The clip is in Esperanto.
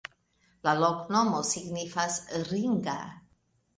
La loknomo signifas: ringa.